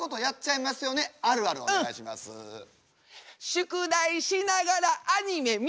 宿題しながらアニメ見る。